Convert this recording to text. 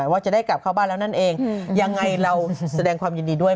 ว่าจะได้กลับเข้าบ้านแล้วนั่นเองยังไงเราแสดงความยินดีด้วย